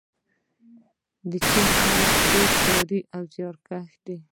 د چین خلک ډیر کاري او زیارکښ دي.